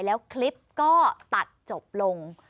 แล้วคลิปก็ตัดจบลง